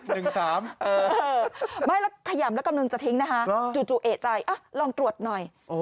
ไม่แล้วขยำแล้วกำลังจะทิ้งนะคะจู่เอกใจลองตรวจหน่อย